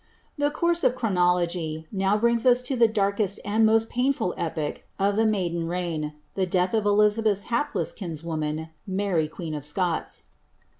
The course of chronology now brings us to Ihe darkest and most jninful epoch of the maiden reign, the death of Elizabeth's hapless kiu* WMnan, Mary queen of Scots.